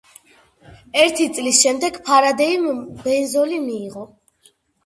ერთი წლის შემდეგ ფარადეიმ ბენზოლი მიიღო.